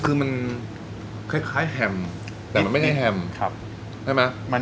คือมันคล้ายคล้ายแฮมด์แต่มันไม่ใช่แฮมส์ใช่ไหม